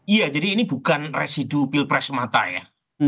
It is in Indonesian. iya jadi ini bukan residu pilpres semata ya